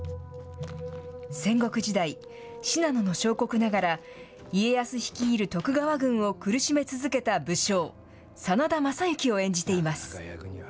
戦国時代、信濃の小国ながら、家康率いる徳川軍を苦しめ続けた武将、真田昌幸を演じています。